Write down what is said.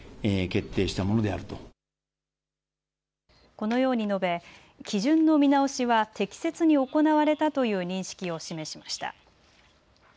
このように述べ基準の見直しは適切に行われたという認識を示しました。